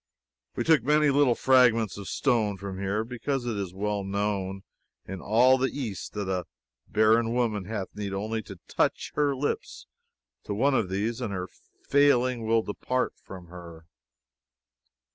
We took many little fragments of stone from here, because it is well known in all the East that a barren woman hath need only to touch her lips to one of these and her failing will depart from her.